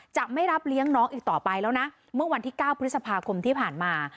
จะไม่รับเลี้ยงน้องอีกต่อไปแล้วนะเมื่อวันที่๙พฤษภาคมที่ผ่านมา